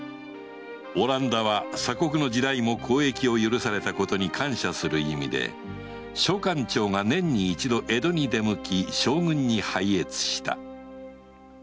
オランダは鎖国の時代も交易を許されたことに感謝する意味で商館長が年に一度江戸に出向き将軍に拝謁した